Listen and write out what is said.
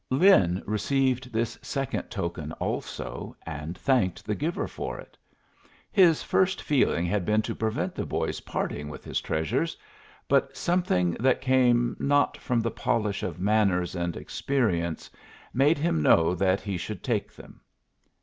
Lin received this second token also, and thanked the giver for it. His first feeling had been to prevent the boy's parting with his treasures, but something that came not from the polish of manners and experience made him know that he should take them.